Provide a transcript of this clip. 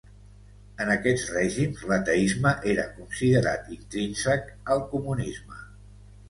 En aquests règims l'ateisme era considerat intrínsec al comunisme.